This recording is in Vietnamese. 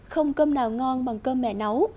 không cơm nào ngon bằng cơm mẹ nấu